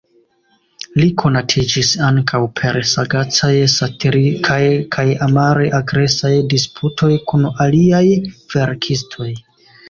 Li konatiĝis ankaŭ per sagacaj-satirikaj kaj amare-agresaj disputoj kun aliaj verkistoj.